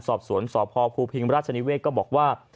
สอบสวนสพภูพิงราชนิเวศก็บอกว่า